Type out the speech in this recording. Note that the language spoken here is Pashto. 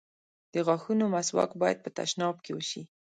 د غاښونو مسواک بايد په تشناب کې وشي.